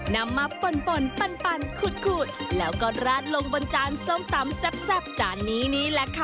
นำมาป่นขูดแล้วก็ราดลงบนจานส้มตำแซ่บจานนี้นี่แหละค่ะ